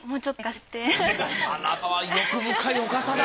あなたは欲深いお方だ。